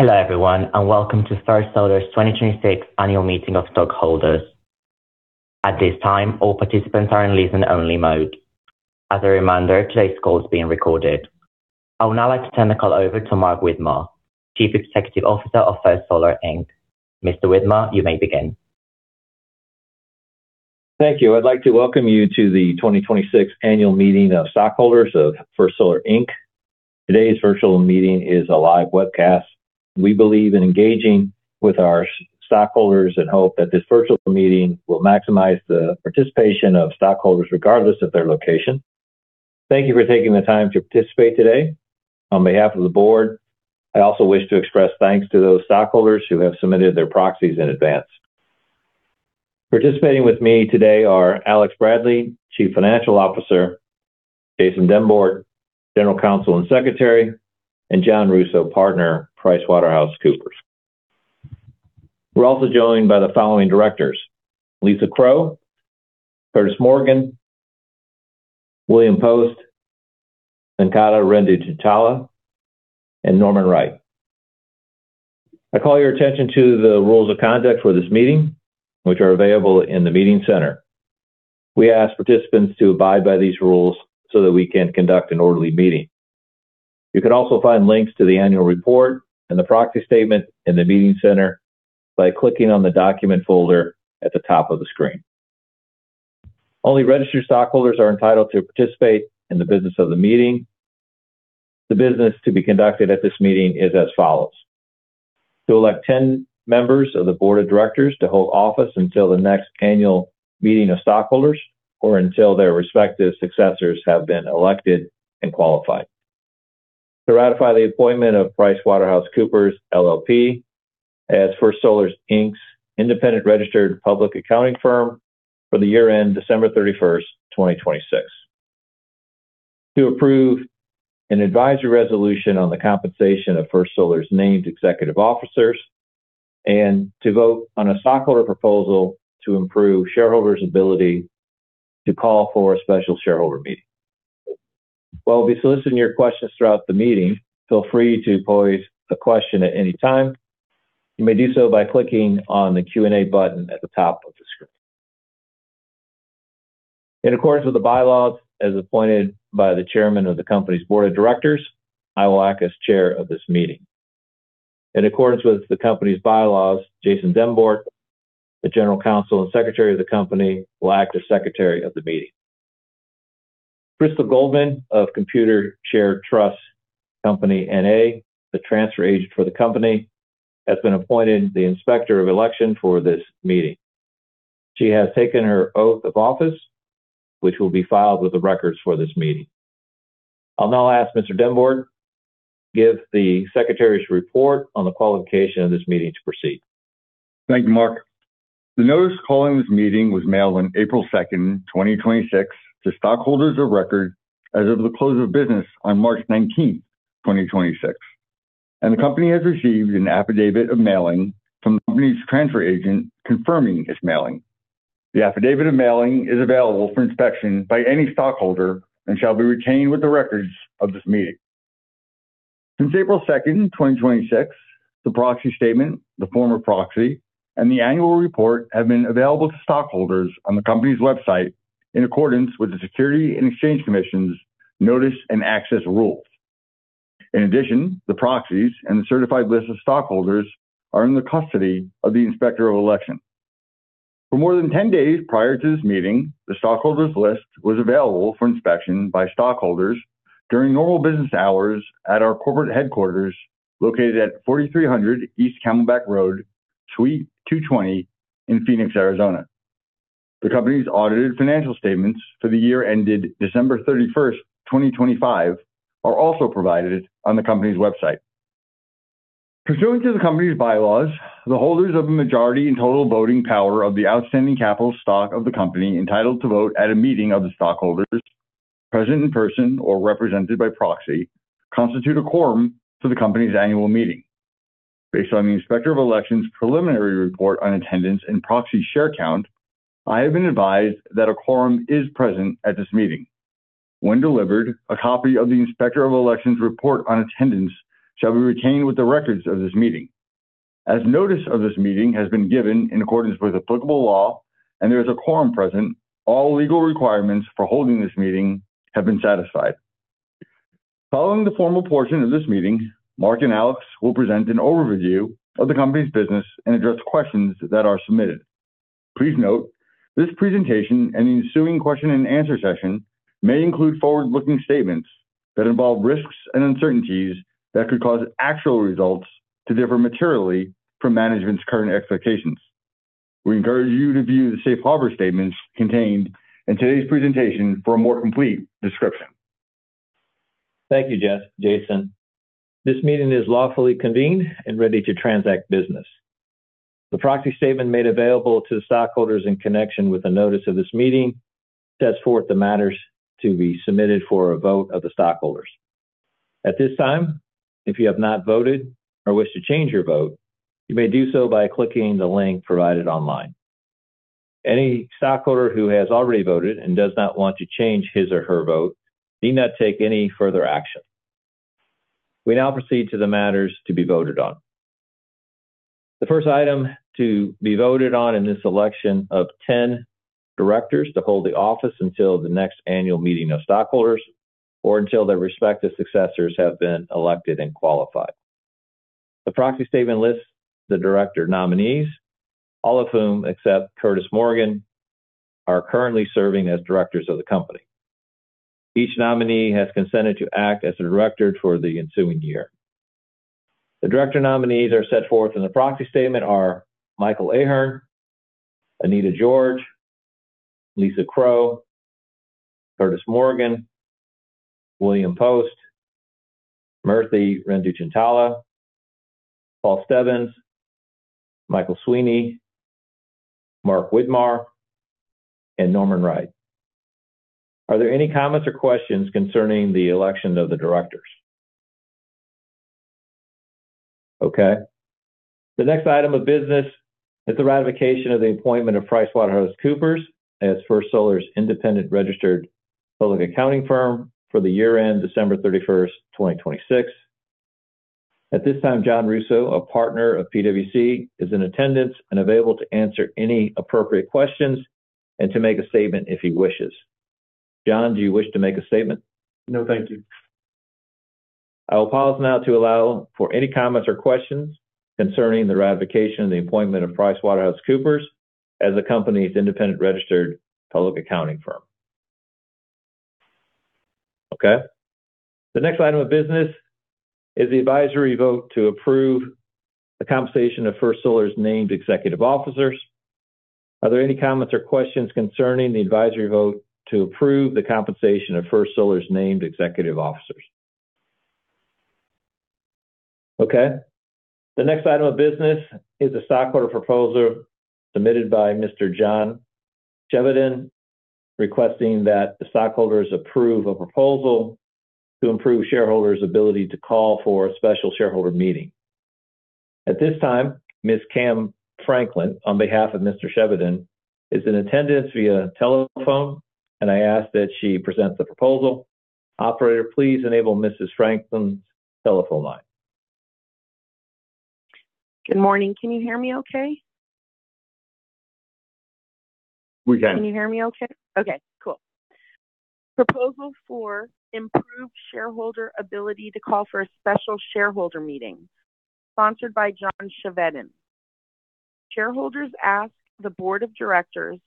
Hello, everyone, and welcome to First Solar's 2026 annual meeting of stockholders. At this time, all participants are in listen-only mode. As a reminder, today's call is being recorded. I would now like to turn the call over to Mark Widmar, Chief Executive Officer of First Solar, Inc. Mr. Widmar, you may begin. Thank you. I'd like to welcome you to the 2026 annual meeting of stockholders of First Solar, Inc. Today's virtual meeting is a live webcast. We believe in engaging with our stockholders and hope that this virtual meeting will maximize the participation of stockholders regardless of their location. Thank you for taking the time to participate today. On behalf of the board, I also wish to express thanks to those stockholders who have submitted their proxies in advance. Participating with me today are Alex Bradley, Chief Financial Officer, Jason Dymbort, General Counsel and Secretary, and John Russo, Partner, PricewaterhouseCoopers. We're also joined by the following directors: Lisa Kro, Curtis Morgan, William Post, Venkata Murthy Renduchintala, and Norman Wright. I call your attention to the rules of conduct for this meeting, which are available in the meeting center. We ask participants to abide by these rules so that we can conduct an orderly meeting. You can also find links to the annual report and the proxy statement in the meeting center by clicking on the document folder at the top of the screen. Only registered stockholders are entitled to participate in the business of the meeting. The business to be conducted at this meeting is as follows: To elect 10 members of the Board of Directors to hold office until the next annual meeting of stockholders or until their respective successors have been elected and qualified. To ratify the appointment of PricewaterhouseCoopers LLP as First Solar, Inc.'s independent registered public accounting firm for the year-end December 31st, 2026. To approve an advisory resolution on the compensation of First Solar's named executive officers and to vote on a stockholder proposal to improve shareholders' ability to call for a special shareholder meeting. We'll be soliciting your questions throughout the meeting. Feel free to pose a question at any time. You may do so by clicking on the Q&A button at the top of the screen. In accordance with the bylaws as appointed by the chairman of the company's board of directors, I will act as chair of this meeting. In accordance with the company's bylaws, Jason Dymbort, the General Counsel and Secretary of the company, will act as Secretary of the meeting. [Crystal Goldman] of Computershare Trust Company, N.A., the transfer agent for the company, has been appointed the Inspector of Election for this meeting. She has taken her oath of office, which will be filed with the records for this meeting. I'll now ask Mr. Dymbort give the Secretary's report on the qualification of this meeting to proceed. Thank you, Mark. The notice calling this meeting was mailed on April 2, 2026 to stockholders of record as of the close of business on March 19, 2026, and the company has received an affidavit of mailing from the company's transfer agent confirming its mailing. The affidavit of mailing is available for inspection by any stockholder and shall be retained with the records of this meeting. Since April 2, 2026, the proxy statement, the former proxy, and the annual report have been available to stockholders on the company's website in accordance with the Securities and Exchange Commission's Notice and Access rules. In addition, the proxies and the certified list of stockholders are in the custody of the Inspector of Election. For more than 10 days prior to this meeting, the stockholders' list was available for inspection by stockholders during normal business hours at our corporate headquarters located at 4300 East Camelback Road, Suite 220 in Phoenix, Arizona. The company's audited financial statements for the year ended December 31, 2025 are also provided on the company's website. Pursuant to the company's bylaws, the holders of a majority in total voting power of the outstanding capital stock of the company entitled to vote at a meeting of the stockholders, present in person or represented by proxy, constitute a quorum for the company's annual meeting. Based on the Inspector of Elections' preliminary report on attendance and proxy share count, I have been advised that a quorum is present at this meeting. When delivered, a copy of the Inspector of Elections report on attendance shall be retained with the records of this meeting. As notice of this meeting has been given in accordance with applicable law and there is a quorum present, all legal requirements for holding this meeting have been satisfied. Following the formal portion of this meeting, Mark and Alex will present an overview of the company's business and address questions that are submitted. Please note this presentation and the ensuing question and answer session may include forward-looking statements that involve risks and uncertainties that could cause actual results to differ materially from management's current expectations. We encourage you to view the safe harbor statements contained in today's presentation for a more complete description. Thank you, Jason. This meeting is lawfully convened and ready to transact business. The proxy statement made available to the stockholders in connection with the notice of this meeting sets forth the matters to be submitted for a vote of the stockholders. At this time, if you have not voted or wish to change your vote, you may do so by clicking the link provided online. Any stockholder who has already voted and does not want to change his or her vote need not take any further action. We now proceed to the matters to be voted on. The first item to be voted on in this election of 10 directors to hold the office until the next annual meeting of stockholders or until their respective successors have been elected and qualified. The proxy statement lists the director nominees, all of whom except Curtis Morgan are currently serving as directors of the company. Each nominee has consented to act as a director for the ensuing year. The director nominees are set forth in the proxy statement are Michael Ahearn, Anita George, Lisa Kro, Curtis Morgan, William Post, Murthy Renduchintala, Paul Stebbins, Michael Sweeney, Mark Widmar, and Norman Wright. Are there any comments or questions concerning the election of the directors? Okay. The next item of business is the ratification of the appointment of PricewaterhouseCoopers as First Solar's independent registered public accounting firm for the year-end December 31, 2026. At this time, John Russo, a partner of PwC, is in attendance and available to answer any appropriate questions and to make a statement if he wishes. John, do you wish to make a statement? No, thank you. I will pause now to allow for any comments or questions concerning the ratification of the appointment of PricewaterhouseCoopers as the company's independent registered public accounting firm. Okay. The next item of business is the advisory vote to approve the compensation of First Solar's named executive officers. Are there any comments or questions concerning the advisory vote to approve the compensation of First Solar's named executive officers? Okay. The next item of business is a stockholder proposal submitted by Mr. John Chevedden requesting that the stockholders approve a proposal to improve shareholders' ability to call for a special shareholder meeting. At this time, Ms. Kam Franklin, on behalf of Mr. John Chevedden, is in attendance via telephone, and I ask that she present the proposal. Operator, please enable Mrs. Franklin's telephone line. Good morning. Can you hear me okay? We can. Can you hear me okay? Okay, cool. Proposal 4, improve shareholder ability to call for a special shareholder meeting, sponsored by John Chevedden. Shareholders ask the board of directors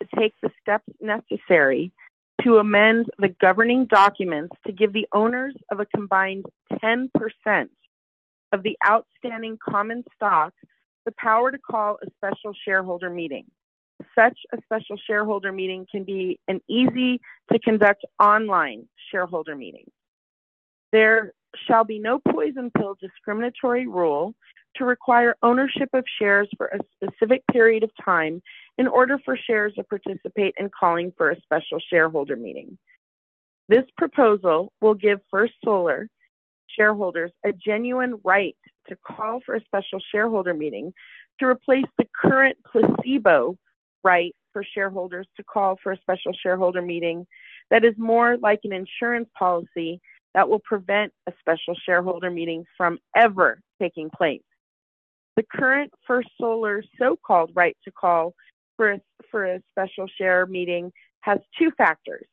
to take the steps necessary to amend the governing documents to give the owners of a combined 10% of the outstanding common stock the power to call a special shareholder meeting. Such a special shareholder meeting can be an easy-to-conduct online shareholder meeting. There shall be no poison pill discriminatory rule to require ownership of shares for a specific period of time in order for shares to participate in calling for a special shareholder meeting. This proposal will give First Solar shareholders a genuine right to call for a special shareholder meeting to replace the current placebo right for shareholders to call for a special shareholder meeting that is more like an insurance policy that will prevent a special shareholder meeting from ever taking place. The current First Solar so-called right to call for a special shareholder meeting has two factors,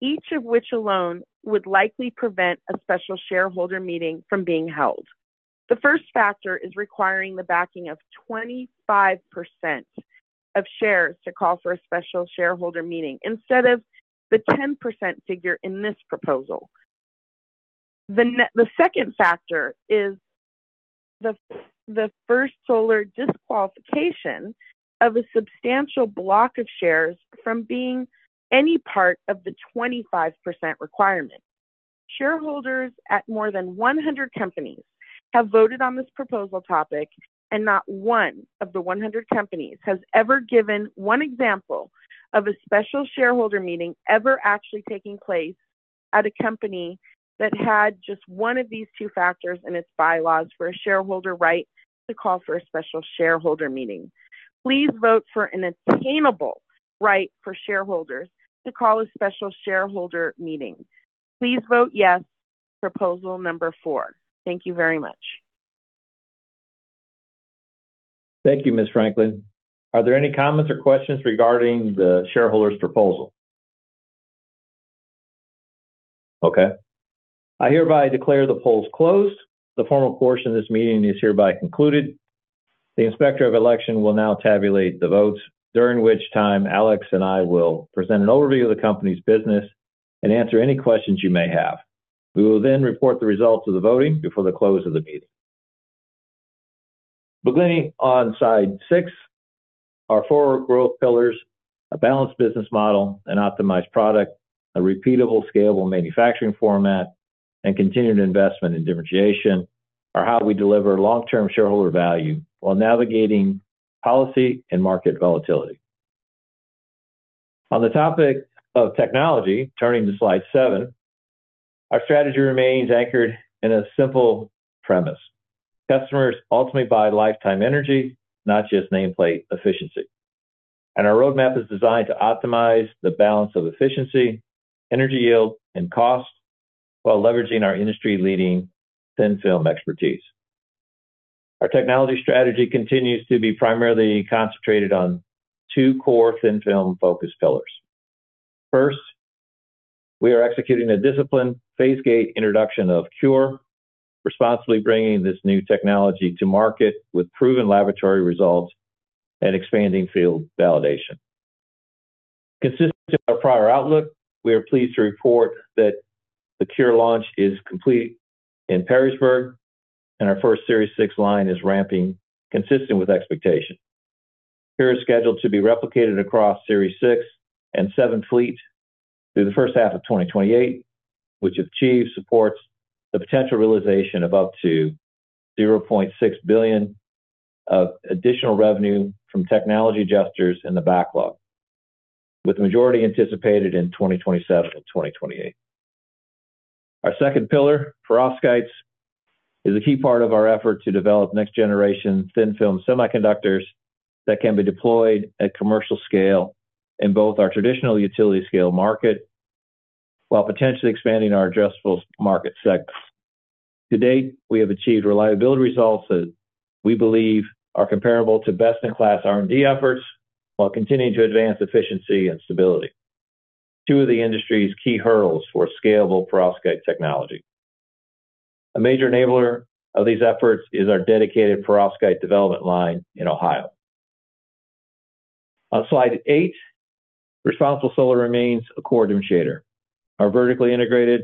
each of which alone would likely prevent a special shareholder meeting from being held. The first factor is requiring the backing of 25% of shares to call for a special shareholder meeting instead of the 10% figure in this proposal. The second factor is the First Solar disqualification of a substantial block of shares from being any part of the 25% requirement. Shareholders at more than 100 companies have voted on this proposal topic, and not one of the 100 companies has ever given one example of a special shareholder meeting ever actually taking place at a company that had just one of these one factors in its bylaws for a shareholder right to call for a special shareholder meeting. Please vote for an attainable right for shareholders to call a special shareholder meeting. Please vote yes, proposal number four. Thank you very much. Thank you, Ms. Franklin. Are there any comments or questions regarding the shareholder's proposal? Okay. I hereby declare the polls closed. The formal portion of this meeting is hereby concluded. The inspector of election will now tabulate the votes, during which time Alex and I will present an overview of the company's business and answer any questions you may have. We will then report the results of the voting before the close of the meeting. Beginning on slide six, our four growth pillars, a balanced business model, an optimized product, a repeatable, scalable manufacturing format, and continued investment in differentiation are how we deliver long-term shareholder value while navigating policy and market volatility. On the topic of technology, turning to slide seven, our strategy remains anchored in a simple premise. Customers ultimately buy lifetime energy, not just nameplate efficiency. Our roadmap is designed to optimize the balance of efficiency, energy yield, and cost, while leveraging our industry-leading thin-film expertise. Our technology strategy continues to be primarily concentrated on two core thin-film focused pillars. First, we are executing a disciplined phase-gate introduction of CuRe, responsibly bringing this new technology to market with proven laboratory results and expanding field validation. Consistent with our prior outlook, we are pleased to report that the CuRe launch is complete in Perrysburg, and our first Series 6 line is ramping consistent with expectation. CuRe is scheduled to be replicated across Series 6 and seven fleet through the first half of 2028, which if achieved, supports the potential realization of up to $0.6 billion of additional revenue from technology adjusters in the backlog, with the majority anticipated in 2027 and 2028. Our second pillar, perovskites, is a key part of our effort to develop next generation thin-film semiconductors that can be deployed at commercial scale in both our traditional utility scale market, while potentially expanding our addressable market sector. To date, we have achieved reliability results that we believe are comparable to best-in-class R&D efforts while continuing to advance efficiency and stability, two of the industry's key hurdles for scalable perovskite technology. A major enabler of these efforts is our dedicated perovskite development line in Ohio. On slide eight, responsible solar remains a core differentiator. Our vertically integrated,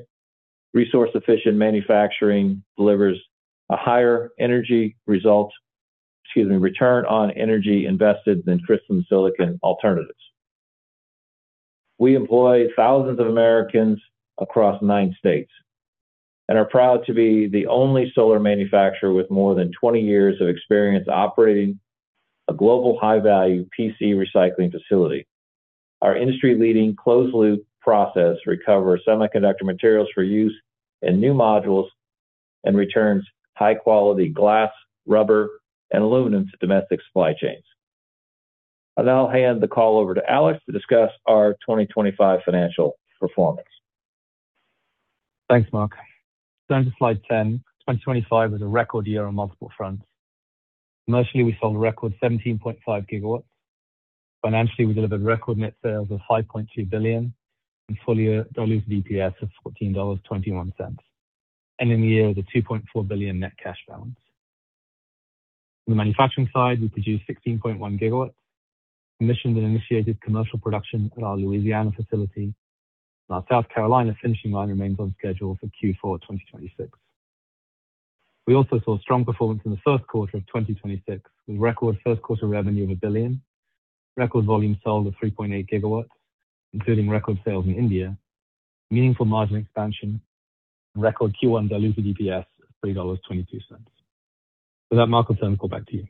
resource-efficient manufacturing delivers a higher energy result Excuse me, return on energy invested than crystalline silicon alternatives. We employ thousands of Americans across nine states and are proud to be the only solar manufacturer with more than 20 years of experience operating a global high-value PV recycling facility. Our industry-leading closed loop process recovers semiconductor materials for use in new modules and returns high quality glass, rubber, and aluminum to domestic supply chains. I'll now hand the call over to Alex to discuss our 2025 financial performance. Thanks, Mark. Turning to slide 10. 2025 was a record year on multiple fronts. Commercially, we sold a record 17.5 GW. Financially, we delivered record net sales of $5.2 billion and full year diluted EPS of $14.21. Ending the year with a $2.4 billion net cash balance. On the manufacturing side, we produced 16.1 GW, commissioned and initiated commercial production at our Louisiana facility. Our South Carolina finishing line remains on schedule for Q4 2026. We also saw strong performance in the first quarter of 2026 with record first quarter revenue of $1 billion, record volume sold of 3.8 GW, including record sales in India, meaningful margin expansion, and record Q1 diluted EPS of $3.22. With that, Mark, I'll turn the call back to you.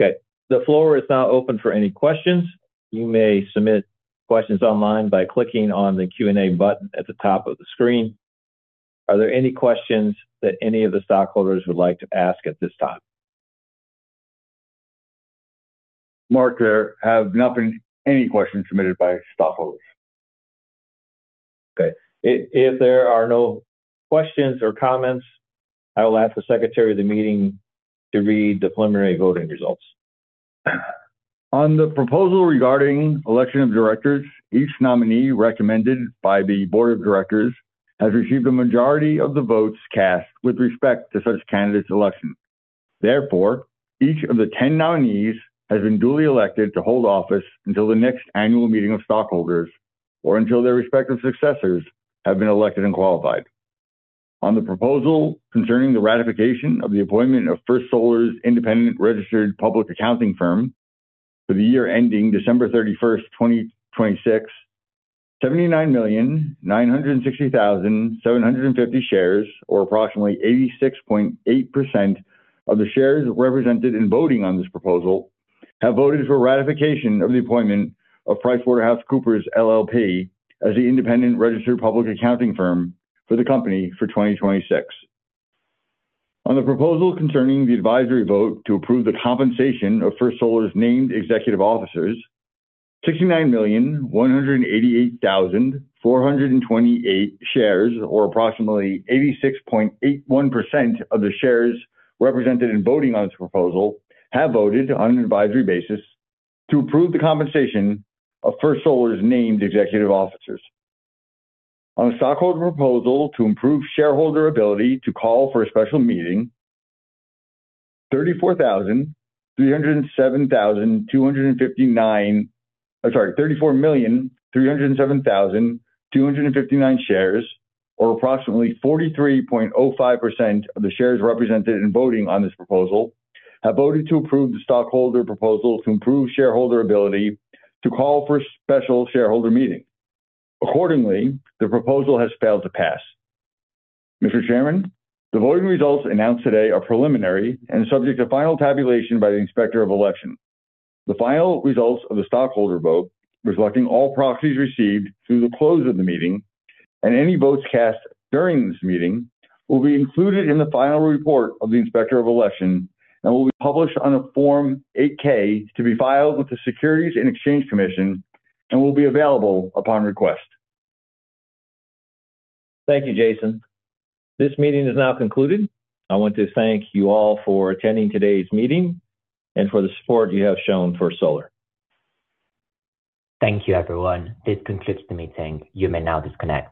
Okay. The floor is now open for any questions. You may submit questions online by clicking on the Q&A button at the top of the screen. Are there any questions that any of the stockholders would like to ask at this time? Mark, there have not been any questions submitted by stockholders. Okay. If there are no questions or comments, I will ask the secretary of the meeting to read the preliminary voting results. On the proposal regarding election of directors, each nominee recommended by the board of directors has received a majority of the votes cast with respect to such candidate's election. Therefore, each of the 10 nominees has been duly elected to hold office until the next annual meeting of stockholders, or until their respective successors have been elected and qualified. On the proposal concerning the ratification of the appointment of First Solar's independent registered public accounting firm for the year ending December 31, 2026, 79,960,750 shares, or approximately 86.8% of the shares represented in voting on this proposal, have voted for ratification of the appointment of PricewaterhouseCoopers LLP as the independent registered public accounting firm for the company for 2026. On the proposal concerning the advisory vote to approve the compensation of First Solar's named executive officers, 69,188,428 shares, or approximately 86.81% of the shares represented in voting on this proposal, have voted on an advisory basis to approve the compensation of First Solar's named executive officers. On stockholder proposal to improve shareholder ability to call for a special meeting, I'm sorry, 34,307,259 shares, or approximately 43.05% of the shares represented in voting on this proposal, have voted to approve the stockholder proposal to improve shareholder ability to call for special shareholder meeting. The proposal has failed to pass. Mr. Chairman, the voting results announced today are preliminary and subject to final tabulation by the Inspector of Election. The final results of the stockholder vote, reflecting all proxies received through the close of the meeting and any votes cast during this meeting, will be included in the final report of the Inspector of Election and will be published on a Form 8-K to be filed with the Securities and Exchange Commission and will be available upon request. Thank you, Jason. This meeting is now concluded. I want to thank you all for attending today's meeting and for the support you have shown First Solar. Thank you, everyone. This concludes the meeting. You may now disconnect.